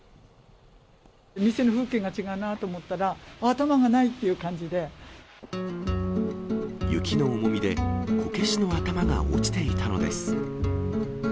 店の風景が違うなと思ったら、雪の重みでこけしの頭が落ちていたのです。